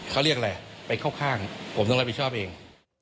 เขาเรียกอะไรไปเข้าข้างผมต้องรับผิดชอบเอง